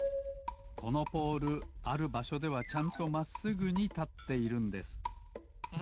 このポールあるばしょではちゃんとまっすぐにたっているんです。え？